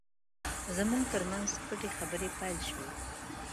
زموږ ترمنځ پټې خبرې پیل شوې.